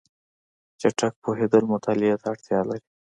چټک پوهېدل مطالعه ته اړتیا لري.